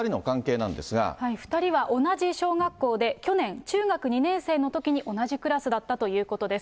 ２人は同じ小学校で、去年、中学２年生のときに同じクラスだったということです。